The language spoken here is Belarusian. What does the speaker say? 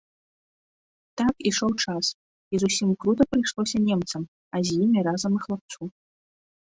Так ішоў час, і зусім крута прыйшлося немцам, а з імі разам і хлапцу.